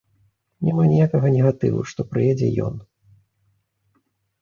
Няма ніякага негатыву, што прыедзе ён.